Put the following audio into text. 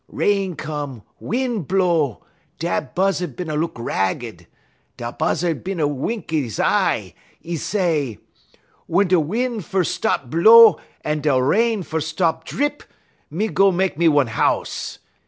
Rain come, win' blow, da Buzzud bin a look ragged. Da Buzzud bin a wink 'e y eye, 'e say: "'Wun da win' fer stop blow en da rain fer stop drip, me go mek me one house.